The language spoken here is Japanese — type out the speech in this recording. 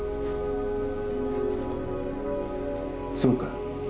そうか。